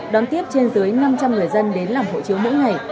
đón tiếp trên dưới năm trăm linh người dân đến làm hộ chiếu mỗi ngày